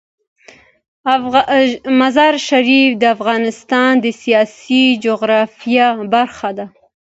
مزارشریف د افغانستان د سیاسي جغرافیه برخه ده.